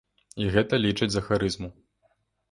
І гэта лічаць за харызму.